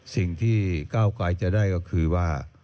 สิ่งที่ก้าวไกลจะได้ก็คือว่า